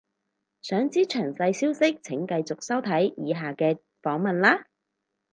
想知詳細消息請繼續收睇以下嘅訪問喇